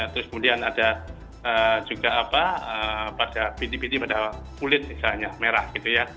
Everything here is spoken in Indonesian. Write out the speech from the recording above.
terus kemudian ada juga pada piti piti pada kulit misalnya merah gitu ya